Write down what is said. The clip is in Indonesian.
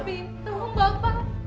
tapi tunggu bapak